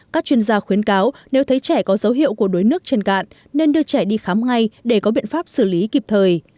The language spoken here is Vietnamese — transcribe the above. các chuyên gia khuyến cáo nếu thấy trẻ có dấu hiệu của đuối nước trên cạn nên đưa trẻ đi khám ngay để có biện pháp xử lý kịp thời